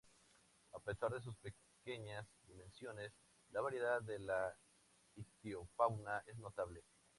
A pesar de sus pequeñas dimensiones, la variedad de la ictiofauna es notable.